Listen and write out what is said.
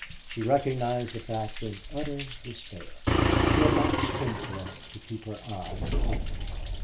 She recognized the fact in utter despair. She had not strength left to keep her eyes open.